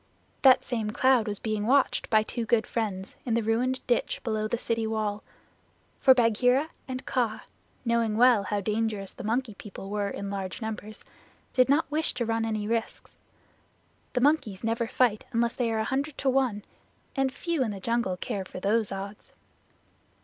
That same cloud was being watched by two good friends in the ruined ditch below the city wall, for Bagheera and Kaa, knowing well how dangerous the Monkey People were in large numbers, did not wish to run any risks. The monkeys never fight unless they are a hundred to one, and few in the jungle care for those odds.